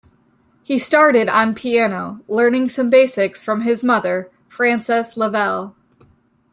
He started on piano, learning some basics from his mother, Frances Leavell.